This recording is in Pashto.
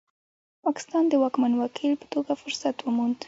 پاکستان د واکمن وکیل په توګه فرصت وموند.